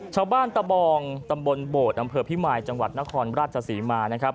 ชาวบ้านตะบองตำบลโบสต์อำเภอพิมายจังหวัดนครราชสีมานะครับ